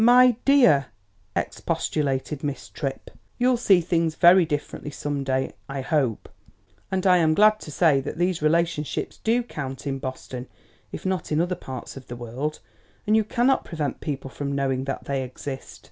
"My dear!" expostulated Miss Tripp, "you'll see things very differently some day, I hope. And I am glad to say that these relationships do count in Boston, if not in other parts of the world, and you cannot prevent people from knowing that they exist."